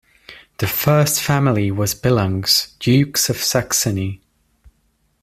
The first family was Billungs, Dukes of Saxony.